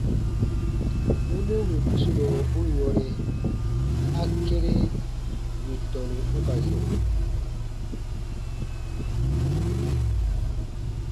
Wunɛ wì gusunɔ u yɔ̃re, a kere wì tɔnu u ka yɔ̃.